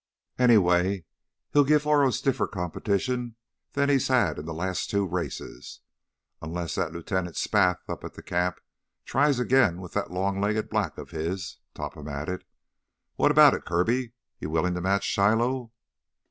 "Anyway he'll give Oro stiffer competition than he's had in the last two races. Unless that Lieutenant Spath up at the camp tries again with that long legged black of his," Topham added. "What about it, Kirby? You willing to match Shiloh?"